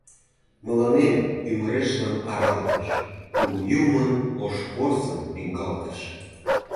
Мыланем ӱмырешлан аралтыш — Кугу Юмын ош порсын лӱҥгалтыш.